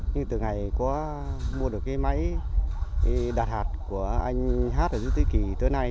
nhưng từ ngày có mua được cái máy đặt hạt của anh hát ở dương tây kỳ tới nay